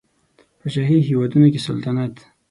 په شاهي هېوادونو کې سلطنت